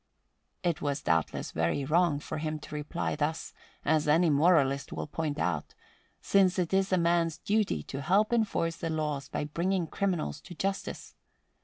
It was doubtless very wrong for him to reply thus, as any moralist will point out, since it is a man's duty to help enforce the laws by bringing criminals to justice.